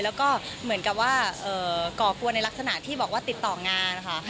แล้วก็เหมือนกับว่าก่อกวนในลักษณะที่บอกว่าติดต่องานค่ะ